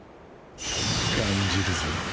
感じるぞ。